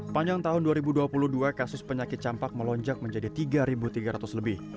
panjang tahun dua ribu dua puluh dua kasus penyakit campak melonjak menjadi tiga tiga ratus lebih